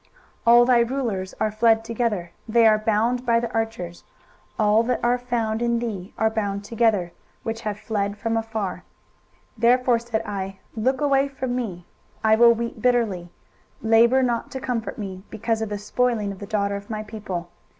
23:022:003 All thy rulers are fled together, they are bound by the archers: all that are found in thee are bound together, which have fled from far. 23:022:004 Therefore said I, Look away from me; I will weep bitterly, labour not to comfort me, because of the spoiling of the daughter of my people.